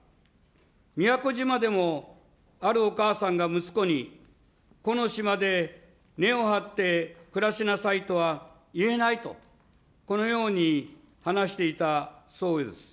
宮古島でも、あるお母さんが息子に、この島で根を張って暮らしなさいとは言えないと、このように話していたそうです。